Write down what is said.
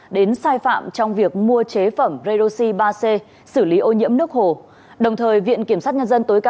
đến sai phạm trong việc mua chế phẩm redoxi ba c xử lý ô nhiễm nước hồ đồng thời viện kiểm sát nhân dân tối cao